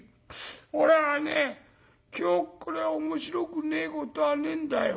俺はね今日くれえ面白くねえことはねえんだよ。